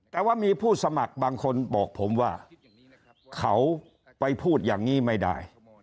แต่ว่ามีผู้สมัครบางคนบอกผมว่าเขาไปพูดอย่างนี้ไม่ได้